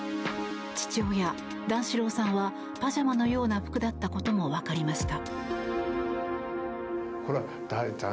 父親・段四郎さんはパジャマのような服だったことも分かりました。